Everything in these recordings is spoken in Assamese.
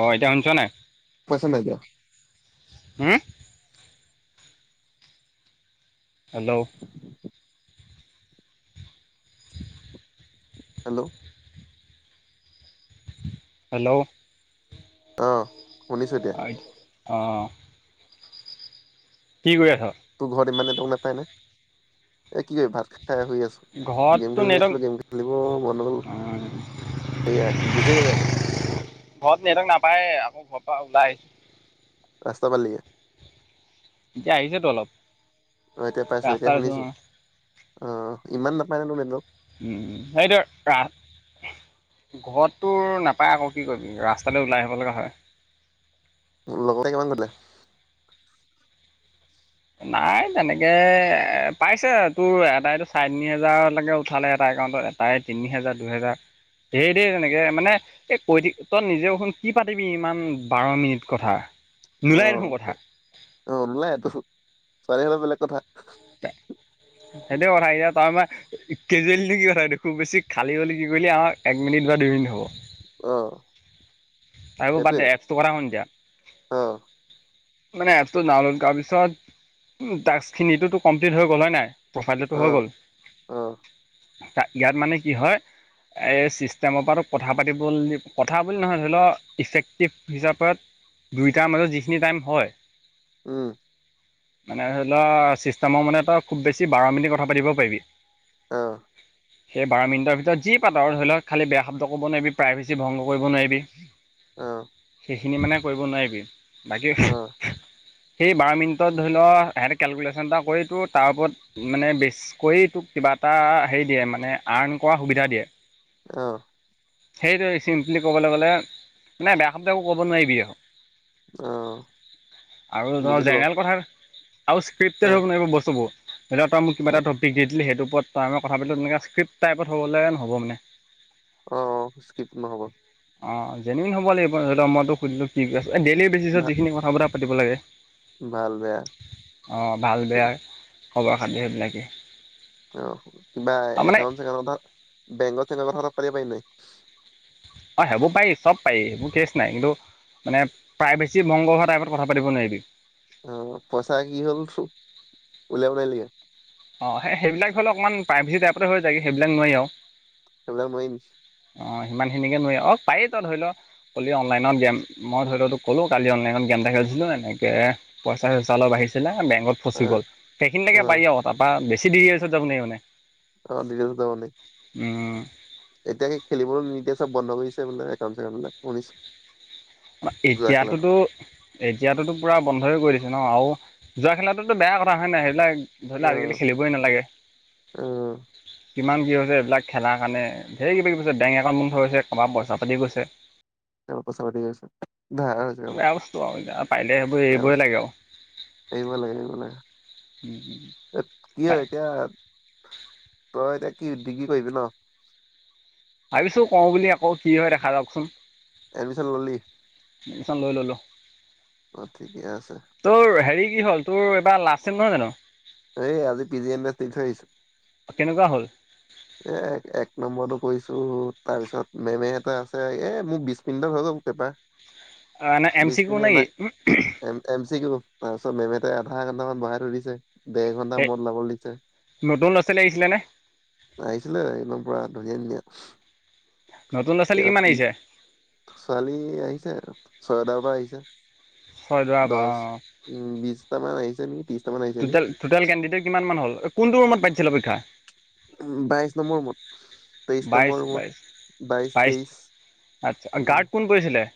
অঁ এতিয়া শুনিছ নে নাই? পইচা নাই দিয়া। হুম! হেল্ল'' [inaudible] হেল্ল' হেল্লো অঁ শুনিছো এতিয়া। আইত অঁ অঁ। কি কৰি আছ? তোৰ ঘৰত ইমান নেটৱৰ্ক নেপায় নে এ কি কৰি ভাত খাই শুই আছো। গেম ঘৰততো খেলি নে নেটৱৰ্ক আছিলো গেম খেলিব মন নগ'ল এইয়া গুচি গেলেটো। ঘৰত নেটৱৰ্ক নাপায়ে আকৌ ঘৰৰ পৰা ওলাই আহিছো। ৰাস্তা পালিগে। ইতিয়া আহিছেতো অলপ। অঁ এতিয়া পাইছো এতিয়া ৰাস্তাত আছো শুনিছো অ অঁ ইমান নাপায় নে তোৰ ৱনেটৱৰ্ক। উম! উম! সেইদৰ কা ঘৰত তোৰ নাপায় আকৌ কি কৰিবি ৰাস্তালে ওলাই আহিবলগা হয়। লগতে কিমান বাতিলে? নাই তেনেকে এ এ পাইছে তোৰ এটাইতো চাৰে তিনি হেজাৰলেকে উঠালে এটা একাউণ্টত তায়ে তিনি হেজা দুহেজা ধেই ধেই তেনেকে মানে এ কৈদি তই নিজে শুন কি পাতিবি ইমান বাৰ মিনিট কথা নোলাই দেখোন কথা। অঁ নোলাৱাই এ তো। ছোৱালী হলে বেলেগ কথা। সেইটোৱে কথা এয়া তই মই কেজুৱেলদি কি কথাদি খুব বেছি খালি হ'লি কি কৰিলি আঁহ এক মিনিট বা দুই মিনিট হ'ব। অহ এইবোৰ বাদ দে এপচটোৰ কথা শুন এতিয়া অ মানে এপছতো ডাওনলড কৰা পিছত টাক্স খিনিটো কমপ্লিট হৈ গ'ল হয় নাই প্ৰফাইলটো অ হৈ গ'ল অ ত ইয়াত মানে কি হয় এই চিষ্টেমৰ পৰাতোক কথা পাতিব কথা বুলি নহয় ধৰি ল ইফেক্টিভ হিচাপত দুইটাৰ মাজত যিখিনি টাইম হয় উম মানে ধৰি ল চিষ্টেমৰ মানে তই খুব বেছি বাৰ মিনিট কথা পাতিব পাৰিবি অ [inaudible] সেই বাৰ মিনিটৰ ভিতৰত যি পাত ধৰি লওক খালী বেয়া শব্দ কব নোৱাৰিবি প্ৰাইভেচি ভংগ কৰিব নোৱাৰিবি। অ সেইখিনি মানে কৰিব নোৱাৰিবি বাকী অ সেই বাৰ মিনিটত ধৰি ল সিহঁতে কেলকুলেশ্যন এটা কৰি তো তাৰ ওপৰত মানে বেছ কৰি তোক কিবা এটা হেৰি দিয়ে মানে আৰ্ণ কৰা সুবিধা দিয়ে। অ সেইটোৱে চিম্পলি ক'বলৈ গ'লে নাই বেয়া শব্দ এক ক'ব নোৱাৰিবি আৰু অ আৰু ধ বুজিলো বাৰু জেনেৰেল কথাৰ আৰু স্ক্ৰিপ্টেত অ হব নোৱাৰিব বস্তু বোৰ ধৰি ল তই মোক কিবা এটা টপিক দি দিলে সেইটো ওপৰত ত আমি কথা পাতিলো তেনেকৈ স্ক্ৰিপটেড টাইপ হ'লে নহব মানে অ অ স্কিপ নহ'ব অ জেনুইন হ'ব লাগিব, ধৰিল মই সুধিলো কি কৰি আছ? ডেইলি বেচিছত ভা যিখিনি কথা বতৰা পাতিব লাগে, ভাল বেয়া অঁ ভাল বেয়া খবৰ খাতি সেইবিলাকেই। অ কিবা আৰু মানে একাউন্ট চেকাউন্টৰ কথা, বেংকৰ চেংকৰ কথা পাতিব পাৰি নে নোৱাৰি? অ সেইবোৰ পাৰি চব পাৰি সেইবোৰ কেচ নাই কিন্তু, মানে প্ৰায়ভেচি ভংগ হোৱা টাইপত কথা পাতিব নোৱাৰিবি। অ পইচা কি হ'ল তোৰ? উলিয়াব নোৱাৰিলিগে? অ সেই সেইবিলাক হ'লে অকমান প্ৰাইভেচি টাইপতে হৈ যায়, সেইবিলাক নোৱাৰি আৰু। সেইবিলাক নোৱাৰিনি? অ সিমান খিনিকে নোৱাৰি অ পাৰি ত ধৰি ল, ক'লি অনলাইনত গেম, মই ধৰিল তোক ক'লোঁ কালি অনলাইনত গেম এটা খেলিছিলোঁ এনেকে পইচা চইছা অলপ আহিছিলে বেংকত ফচি অ', গ'ল, সেইখিনিলৈকে অ', পাৰি আ তাৰপা বেছি দেৰি পিছত যাব নোৱাৰি মানে। অ ডিটেলচত যাব নোৱাৰি। উম। এতিয়া সেই খেলিবলৈ নিদিয়ে চব বন্ধ কৰিছে বোলে একাউন্ট চেকাউন্ট বিলাক, শুনিছো। এতিয়াটোতো, এতিয়াতোতো পুৰা বন্ধই কৰি দিছে ন আৰু জুৱা খেলাটোতো বেয়া কথা হয় নাই সেইবিলাক, ধৰি ল অ', আজিকালি খেলিবই নালাগে। অ', কিমান কি হৈছে এইবিলাক খেলাৰ কাৰণে, ধেৰ কিবা কিবি হৈছে বেংক একাউণ্ট বন্ধ হৈছে কাৰবাৰ পইচা পাতি গৈছে। ত পইচা পাতি গৈছে ধাৰ কাৰোবাৰ বেয়া বস্তু আৰু এতিয়া পাৰিলে সেইবোৰ বেয়া এৰিবই বস্তু। লাগে আৰু। এৰিব লাগে এৰিব লাগে, কি হয় এতিয়া তই এতিয়া কি ডিগ্ৰী কৰিবি ন? ভাবিছো কৰো বুলি আকৌ, কি হয় দেখা যাওকচোন। এডমিশন ললি? এডমিচন লৈ ললো। অ ঠিকে আছে। তোৰ হেৰি কি হ'ল, তোৰ এইবাৰ লাষ্ট ছেম নহয় জানোঁ? এই আজি পি জি এম এছ দি থৈ আহিছো। অ ', কেনেকুৱা হ'ল? এ এক নম্বৰটো কৰিছো তাৰপিছত মেমে এটা আছে, এ মোৰ বিশ মিনিটত হৈ গল পেপাৰ। অ, এনে এম বিশ চি কিও মিনিট নেকি? নাই এম, এম চি কিও তাৰপিছত মে'মহেতে আধা ঘণ্টামান বহাই থৈ দিছে। দেৰ ঘণ্টা মুৰত ওলাব দিছে। নতুন ল'ৰা ছোৱালী আহিছিলে নে? আহিছিলে, একদম পুৰা ধুনীয়া-ধুনীয়া। নতুন ল'ৰা ছোৱালী কিমান আহিছে? ছোৱালী আহিছে ছয়দাৰ পৰা আহিছে। ছয় দৰা পৰা দহ, অঁ উম বিশটামান আহিছে নেকি, ত্ৰিছটামান আহিছে টোটেল নেকি। টোটেল কেণ্ডিডেট কিমান মান হ'ল, কোনটো ৰুমত পাতিছিলে পৰীক্ষা? বাইশ নম্বৰ ৰুমত, তেইশ বাইছ নম্বৰ ৰুমত, বাইছ বাইশ বাইছ তেইশ। আচ্ছা, গাৰ্ড কোন কৰিছিলে?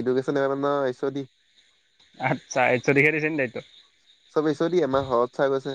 এডুকেশ্যনৰ মেম আমাৰ এছ অ দি। আচ্ছা, এছ অদিক হে দিছে নি দায়িত্ব? চবে এছ অ দিয়ে, আমাৰ শৰৎ চাৰ গৈছে।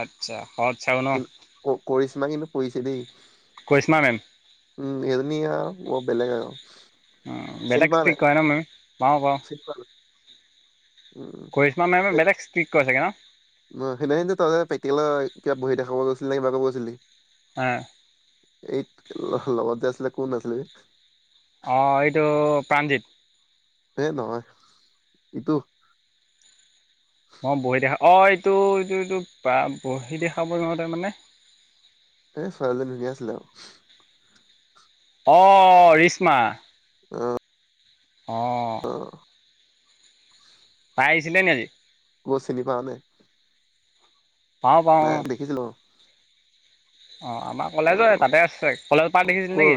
আচ্ছা, শৰৎ চাৰো কিন্তু কৰিছমা কিন্তু পৰিছে দেই। কৰিশ্মা মেম উম, এইজনী আৰু বৰ বেলেগ আৰু। উম, চিনি বেলেগ পোৱা ষ্টিক নাই? কৰে ন মে' মে', পাওঁ চিনি পোৱা নাই? পাওঁ, উম, কৰি কিছুমান মে'মে এই বেলেগ ষ্টিক কৰে চাগে ন। সেইদিনাখন যে তই যে প্ৰেক্টিকেলৰ কিবা বহি দেখাব গৈছিলি নে কিবা কৰিব গৈছিলি নেকি? হা। এইট লগত যে আছিলে কোন আছিলে? অঁ এইটো প্ৰাণজিত। সেই নহয়, ইটো- মই বহী দেখা, অঁ এইটো এইটো এইটো বহী দেখাব যাওঁঁতে মানে এই ছোৱালীজনী ধুনীয়া আছিলে আৰু। অঁ ৰিশ্মা। অঁ। অঁ। অঁ। তাই আহিছিলে নে আজি? কৰ চিনি পাওঁ নাই? পাওঁ পাওঁ নাই দেখিছিলোঁ অ। অঁ আমাৰ কলেজৰে তাতে আছে, কলেজৰ পাৰ্ক দেখিছিলি ক'ৰ? নেকি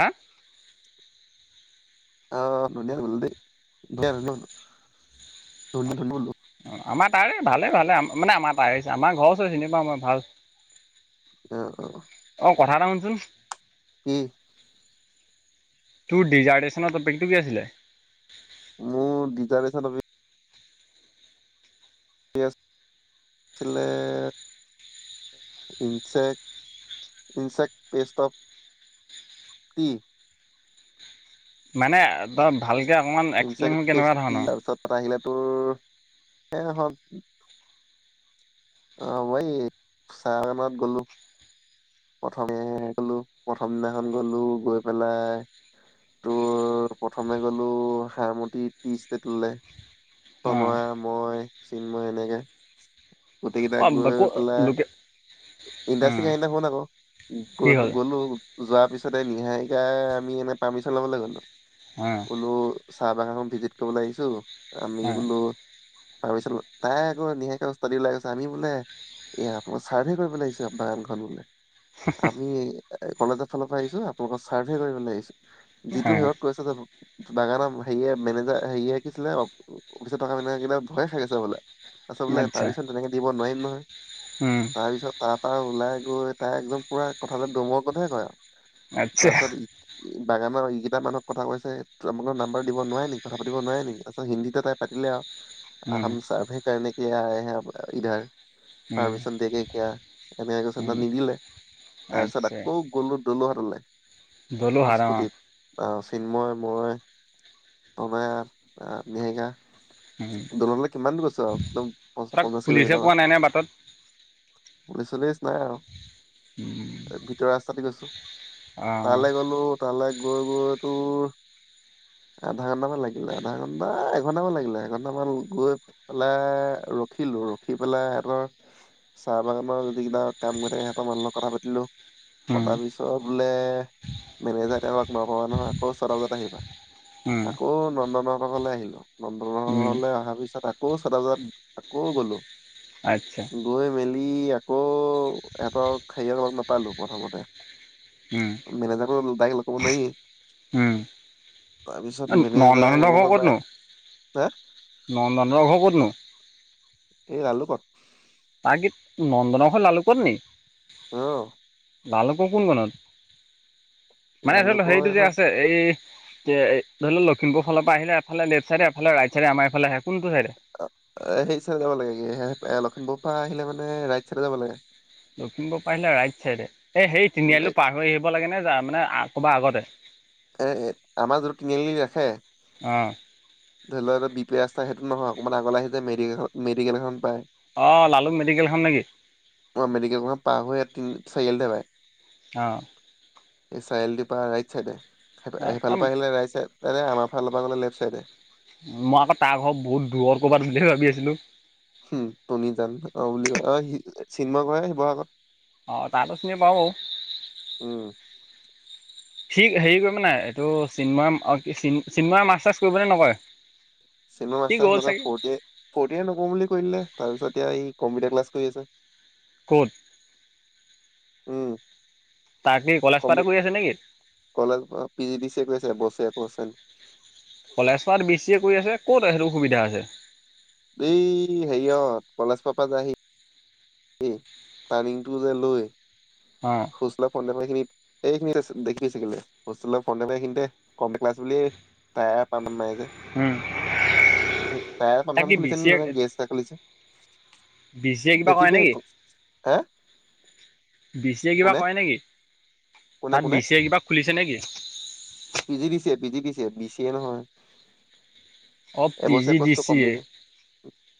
হাঁ? [inaudible] অঁ, আমাৰ তাৰে ভালেই ভালে মানে আমাৰ তাৰেই যে আমাৰ ঘৰৰ ওচৰৰ চিনি পাওঁ মই ভাল। অঁ, অঁ। অঁ কথা এটা শুনচোন। কি? তোৰ ডিজাৰেৰ্শ্যনৰ টপিকটো কি আছিলে? মোৰ ডিজাৰদেশ্যনৰ টপিক আছিলে insect, insect pest of tea. মানে ভালকে অকণমান এক্সপ্লেইনবোৰ কেনেকুৱা ধৰণৰ? তাত আহিলে তোৰ সেই [inaudible] অঁ মই [inaudible] গ'লো। প্ৰথমে গ'লো প্ৰথম দিনাখন গ'লো গৈ পেলায় তোৰ প্ৰথমে গ'লো সাৰমতি টি ষ্টেতলে। অঁ তনোয়ে মই চিন্ময় এনেকে গোটেই কেইটা গৈ অঁ ক' পেলাই লোকে ইণ্ডাষ্ট্ৰি কাহিনী এটা শুন আকৌ কি গৈ হ'ল গ'লো যোৱাৰ পিছতে নিহাৰিকাই আমি মানে পাৰ্মিশ্বন ল'বলে গ'লো। অ। বোলো চাহ বাগানখন ভিজিট কৰিবলে আহিছোঁ আমি বোলোঁ ভাবিছিলোঁ তাই আকৌ নিহাৰিকা উস্তাদি ওলাই গৈছে আমি বোলে এ আপোন চাৰ্ভে কৰিব বলে আহিছো আপোনাৰ বাগান খন বোলে। আমি এই কলেজৰ ফালৰ পৰা আহিছোঁ আপোনালোকৰ চাৰ্ভে কৰিবলৈ আহিছো যিটো হেৰিত কৈছে যাব বাগানাৰ হেৰিয়ে মেনেজাৰ হেৰিয়ে কি আছিলে অফিচত থকা মেনেজাৰ কিটা ভয়ে খাই গৈছিলে বোলে। তাৰপিছত বোলে আচ্ছা পাৰ্মিচন তেনেকে দিব নোৱাৰিম নহয় উম তাৰপিছত তাৰ পৰা ওলাই গৈ তাই একদম পুৰা কথা বিলাক দমৰ কথাই কয় আৰু আচ্ছা তাৰ পিছত বাগানৰ এইকেইটা মানুহক কথা কৈছে, তেওঁ লোকৰ নাম্বাৰ দিব নোৱাৰে নি, কথা পাতিব নোৱাৰে নি, তাৰ পিছত হিন্দীতে তাই পাতিলে আও উম হাম চাৰভে কাৰনে কে, আয়ে হে ইধৰ, উম পাৰ্মিছন দেগে কিয়া? এনেক কৈছে তাত উম নিদিলে, তাৰপিছত আকৌ গ'লো দলোহাতলে। দলোহাৰা অ, অ, চিন্ময় মই, তনয়া, নিহাৰিকা। উম, দললে কিমান গৈছো আও, একদম পঞ্চ- তাক পঞ্চাশ পুলিচে পোৱা নাই নে, বাটত? পুলিচ-চুলিছ নাই আৰু ভিতৰ ৰাস্তাদি গৈছো। অঁ তালৈ গ'লো, তালৈ গৈ, গৈ, তোৰ আধা ঘন্টামান লাগিলে, আধা ঘণ্টা এঘণ্টামান লাগিলে এঘন্টামান গৈ। পেলাই ৰখিলো, ৰখি পেলাই আকৌ কিবা আমাৰ যদি কিবা কাম কৰি থাকে, সিহঁতৰ মানুহৰ লগত কথা পাতিলো। পতাৰ পিছত বোলে, মেনেজাৰক এতিয়া লগ নাপাবা নহয় আকৌ ছটা বজাত আহিবা। আকৌ নন্দনৰ হঁতৰ ঘৰলে আহিলো। নন্দনহঁত ঘৰলে অহাৰ পিছত, আকৌ ছটা বজাত আকৌ গলোঁ। আচ্ছা। গৈ মেলি আকৌ, ইহঁতক হেৰিয়ত লগ নাপালো প্ৰথমতে। উম মেনেজাৰবোৰক ডাইৰেক্ট লগ কৰিব নোৱাৰিয়ে। উম তাৰপিছত মেনেজাৰ নন্দনৰ লগত লগ ঘৰ ক'তনো নাপায়, হা নন্দনৰ ঘৰ ক'তনো? এই লালুকত। তাৰ কি নন্দনৰ ঘৰ লালুকত নেকি? অ, লালুকৰ কোন কনত, মানে ধৰি ল, লালুকৰ হেৰিটো যে এখন আছে এই এ, ধৰি লওঁক লখিমপুৰ ফালৰ পৰা আহিলে, এফালে লেফট চাইডে এফালে ৰাইট চাইডে আমাৰ এইফালে আহে, কোনটো ছাইডে? অ, হেৰি চাইডে যাব লাগে, কি লখিমপুৰৰ পৰা আহিলে মানে ৰাইট চাইডে যাব লাগে। লখিমপুৰ পাৰিলে ৰাইট চাইডে, এই সেই তিনিআলিটো পাৰ হৈ আহিব লাগে নে, যাৰ মানে ক'ৰবাৰ আগতে? এই আমাৰ যোনটো তিনিআলিত ৰাখে। অ, ধৰি লওঁক এটা বি, পি, ৰাস্তা সেইটো নহয়, অকণমান আগলৈ আহি যে মেডি, কাষত মেডিকেল এখন পায়। অ, লালুং মেডিকেলখন নেকি? অ, মেডিকেলখন পাৰ হৈ তিনি, চাৰিআলিতে পাই। অ, এই চাৰিআলিটোৰ পৰা ৰাইট চাইডে, সেইফালৰ পৰা আহিলে ৰাইট চাইড। তেনে, আমাৰ ফালৰ পৰা গ'লে লেফ চাইডে। মই আকৌ তাৰ ঘৰত বহুত দূৰ ক'ৰবাত বুলিয়ে ভাবি আছিলো। উম, [inaudible] অ, বুলি কয় অ, চিনময় ঘৰহে শিৱসাগত। অ, তাৰতো চিনি পাওঁ বাৰু। উম, ঠিক হেৰি কৰিব নাই, এইটো চিনময় অ, কি চিনময় মাছ-চাছ কৰিবনে নকৰে? চিনময় সি মাছ-চাছ গ'ল নকয়ে, চাগে। ফৰ্ট ইয়েৰ, ফৰ্ট নকৰো বুলি কয় দিলে, তাৰপিছত এতিয়া এই কম্পিউটাৰ ক্লাছ কৰি আছে। ক'ত? উম, তাক কি কলেজ [unintelligible] কম্পি কৰি আছে নেকি? College P G D C কৰি আছে এবছৰীয়া। [unintelligible] কলেজত বি চি এ কৰি আছে ক'ত সেইটো সুবিধা আছে? উম হেৰিয়ত কলেজত [unintelligible] এই টাৰণিংটো যে লৈ অহ। হোষ্টেলৰ ফ্ৰণ্টত খিনিত এইখিনি দেখিলে হোষ্টেলৰ ফ্ৰণ্টতএ ই খিনিতে কম্পিউটাৰ ক্লাছ বুলি উম। তাকে B C A [unintelligible] B C A কিবা কৰে নেকি [unintelligible] আহ। বি চি এ কিবা কৰে নেকি? কোনে তাত কোনে বি চি এ কিবা খুলিছে নেকি? P G D A, P G D A, B C A নহয়। অ পি এবছৰীয়া জি কৰ্চটো দিচি এ কমপ্লিট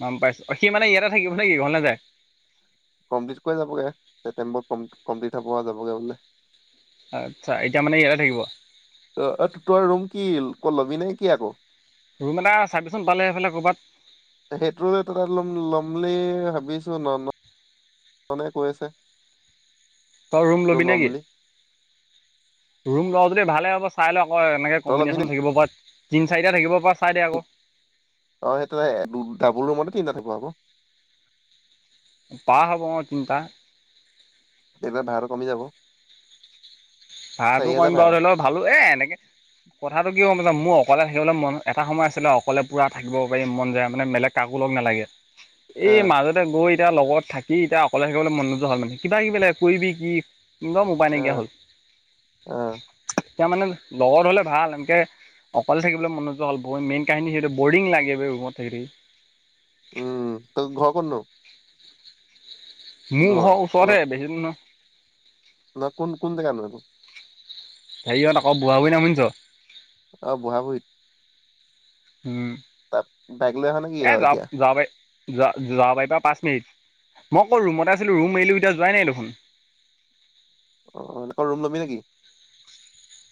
গম পাইছো। অ সি মানে ইয়াতে থাকিব নেকি ঘৰ নেযায়? কমপ্লিট কৰি যাবগে, ছেপ্টেম্বৰত কমপ্লিট হ'ব আৰু যাবগে বোলে। আচ্ছা এতিয়া মানে ইয়াতে থাকিব। অ তই ৰুম কি ক'ত লবি নে কি আকৌ? ৰুম এটা চাবিচোন পালে সেইফালে ক'ৰবাত। সেইটো তাত লম ল'ম বুলি ভাবিছো ন ন তনে কৈ আছে। তই ৰুম লবি ল'ম নেকি? বুলি। ৰুম লও যদি ভালে হ'ব চাই লৈ অকৌ তেনেকে তই লবি নেকি? কম্ববিনেশ্যন থাকিব বাত, তিন চাৰিটা থাকিব পৰা চাই দে আকৌ। অ সেইটো ডাবল ৰুমতে তিনিটা থাকিব আকৌ। পাৰ হ'ব ও তিনটা। তেতিয়া ভাড়াটো কমি যাব। চাৰি ভাড়াটো কম হাজাৰ ভাড়া বাৰু ধৰি লও ভালো এ এনেকে কথাটো কি হ'ল মোৰ অকলে থাকিবলৈ মন এটা সময় আছিলে অকলে পুৰা থাকিব পাৰি মন যায় মানে বেলেগ কাকো লগ নালাগে। অ এই মাজত গৈ এতিয়া লগত থাকি এতিয়া অকলে থাকিবলে মন নোযোৱা হ'ল মানে। কিবা কিবি লাগে কৰিবি কি কিবা উপাই নাইকিয় হ'ল। অহ। তাৰমানে মানে লগৰ হ'লে ভাল এনকে অকলে থাকিবলৈ মন নোযোৱা হ'ল ব, মেইন কাহিনী সেইটো। বৰিং লাগে‌ বে ৰুমত থাকি‌ থাকি। উম তই ঘৰ ক'ত নো? মোৰ ঘৰ ওচৰতে বেছি দূৰ নহয়। ন কোন কোন জগা নু সেইতো? হেৰিয়হত আকৌ বোৱা বুহি শুনিছ? অ বু়ৱা বুহীত। উম এ [unintelligible] ঝা তাত ঝাওবাৰীৰ বাইক লৈ পাৰিবা আহা নেকি আৰু পাঁচ এতিয়া মিনিট। মই অকৌ ৰুমতে আছিলোঁ ৰুম এৰিলোঁ এতিয়া যোৱাই নাই দেখোন। অ আকৌ ৰুম ল'বি নেকি?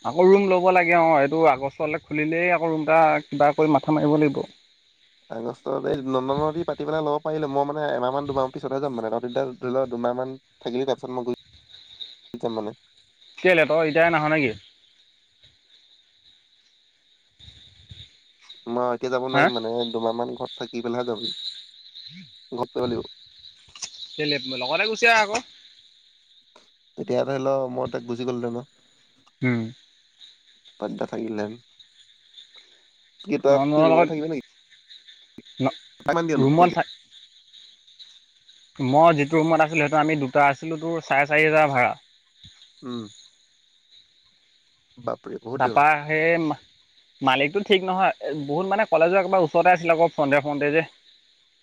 আকৌ ৰুম ল'ব লাগে অ, এইটো অগষ্টত খুলিলেই আকৌ ৰুম এটা কিবা কৰি মাথা মাৰিব লাগিব। আগষ্ট এই নন্দনৰ দি পাতি পাই ল'ব পাৰিলো মই মানে এমাহমান-দুমাহ মান পিছতহে যাম মানে তহঁতি তেতিয়া দুমাহমান থাকিলি [unintelligible] মানে কেলে তই এতিয়াই নাহ নেকি? মই এতিয়া যাব হা নোৱাৰিম মানে দুমাহ মান ঘৰত থাকি পেলাইহে যাবি। কেলে লগতে গুচি আহ আকৌ। তেতিয়া ধৰি লও মই তাক বুজি গলোহেতেন ন। উমঁ। পদদা থাগিলেন। কি তোমালোকৰ ৰুমতে থাকিবি নেকি লগত ন। কিমান দিয়েনু কয়গে- মই যিটো ৰুমত আছিলোঁ সেইটো আমি দুটা আছিলোঁ তোৰ চাৰে চাৰি হাজাৰ ভাড়া। উমঁ! বাপৰে বহুত দিন তাপাৰ- সেই মালিকটো ঠিক নহয় বহুত মানে কলেজৰ একবাৰ ওচৰতে আছিলে আকৌ ফ্ৰন্টে ফ্ৰণ্টে যে।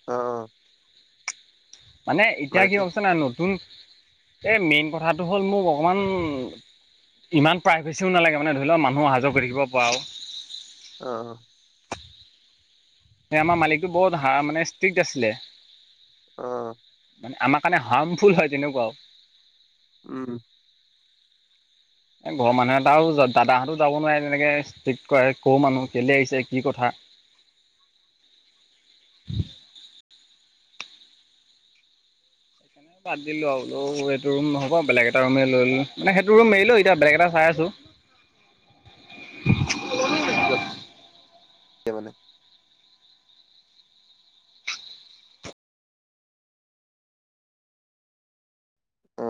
অঁ! মানে এতিয়া কি হ'ল ক‌ইছো নাই নতুন এই মেইন কথাটো হ'ল মোক অকমান- ইমান প্ৰাইভেচিও নালাগে মানে ধৰি লওক মানুহ অহা যোৱা কৰি থাকিব পৰা আৰ। অঁ অঁ! আমাৰ মালিকটো বৰ ধা মানে ষ্ট্ৰিক্ট আছিলে। অঁ! আমাৰ কাৰণে হাৰ্মফুল হয়ঁ তেনেকুৱাও। উমঁ! এ ঘৰৰ মানুহ এটা আৰু দাদাহঁতো যাব নোৱাৰে তেনেকে ষ্ট্ৰিক্ট কৰে ক মানুহ কেলে আহিছে কি কথা। বাদ দিলো আৰু বোলো এইটো ৰুম নহব বেলেগ এটা ৰুমে লই ললো মানে সেইটো ৰুম এৰিলো এতিয়া বেলেগ এটা চাই আছোঁ। য কিয় মানে। অ